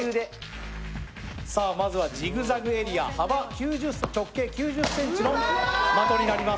まずはジクザグエリア、直径９０ｃｍの的になります。